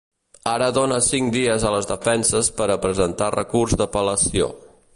Ara dóna cinc dies a les defenses per a presentar recurs d’apel·lació.